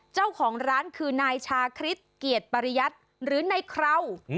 เจ้าของร้านคือนายชาคริสเกียรติปริยัติหรือนายเคราว